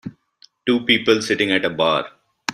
two people sitting at a bar.